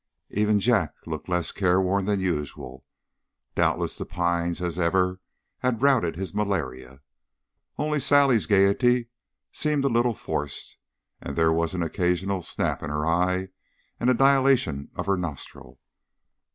Even Jack looked less careworn than usual; doubtless the pines, as ever, had routed his malaria. Only Sally's gayety seemed a little forced, and there was an occasional snap in her eye and dilation of her nostril.